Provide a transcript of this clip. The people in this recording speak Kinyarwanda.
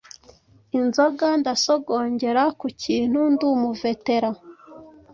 Inzoga ndasogongera ku cyintu ndumuvetera